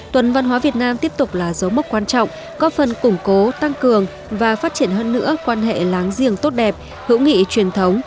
tuần văn hóa việt nam tiếp tục là dấu mốc quan trọng có phần củng cố tăng cường và phát triển hơn nữa quan hệ láng giềng tốt đẹp hữu nghị truyền thống